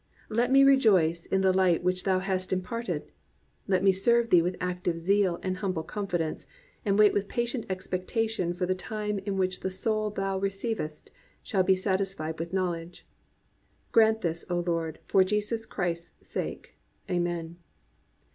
Let me rejoice in the light which Thou hast imparted; let me serve Thee with active zeal and humble confidence, and wait with patient expectation for the time in which the soul Thou receivest shall be satisfied with knowledge. Grant this, O Lord, for Jesus Christ's sake. Amen."